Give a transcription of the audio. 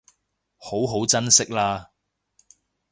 好好珍惜喇